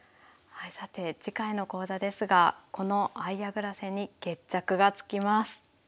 さて次回の講座ですがこの相矢倉戦に決着がつきます。